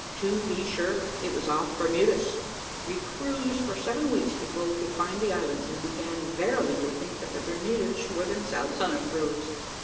"To be sure. It was off Bermudas: we cruised for seven weeks before we could find the Islands, and began verily to think that the Bermudas were themselves on a cruise."